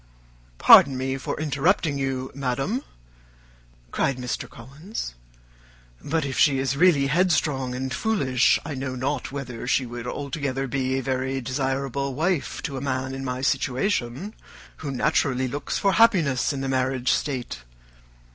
"Pardon me for interrupting you, madam," cried Mr. Collins; "but if she is really headstrong and foolish, I know not whether she would altogether be a very desirable wife to a man in my situation, who naturally looks for happiness in the marriage state.